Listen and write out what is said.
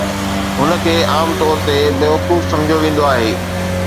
هن کي عام طور تي بيوقوف سمجهيو ويندو آهي.